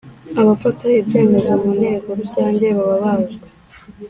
abafata Ibyemezo mu Nteko Rusange baba bazwi